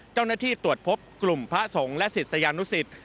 เจ้าหน้าที่ตรวจพบกลุ่มพระสงฆ์และศิษยานุสิต